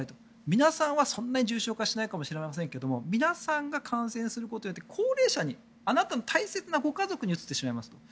皆さんはそんなに重症化しないかもしれませんけど皆さんが感染することによって高齢者にあなたの大切なご家族にうつってしまいますと。